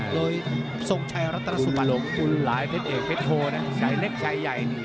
โดยทรงทายรัฐตนสุปัน